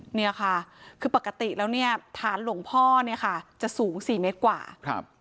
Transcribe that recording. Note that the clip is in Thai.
เนี่ยค่ะคือปกติแล้วเนี่ยฐานหลวงพ่อเนี่ยค่ะจะสูงสี่เมตรกว่าครับ